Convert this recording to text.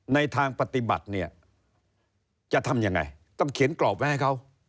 ในทางปฏิบัติเนี่ยจะทำยังไงต้องเขียนกรอบไว้ให้เขา